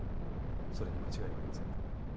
それに間違いはありませんか？